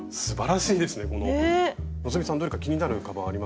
希さんどれか気になるカバンありますか？